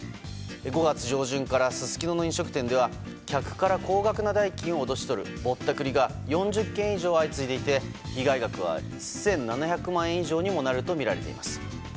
５月上旬からすすきのの飲食店では客から高額な代金を脅し取るぼったくりが４０件以上相次いでいて被害額は１７００万円以上にもなるとみられています。